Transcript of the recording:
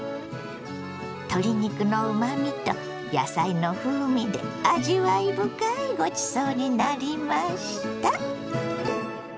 鶏肉のうまみと野菜の風味で味わい深いごちそうになりました。